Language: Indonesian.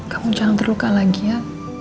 kamu jangan terluka lagi ya